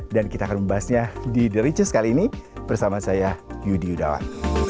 dan kita akan membahasnya di the richest kali ini bersama saya yudi yudawan